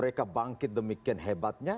maka makin demikian hebatnya